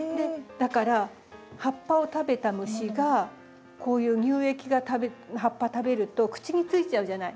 だから葉っぱを食べた虫がこういう乳液が葉っぱ食べると口についちゃうじゃない。